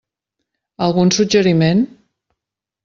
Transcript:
Algun suggeriment?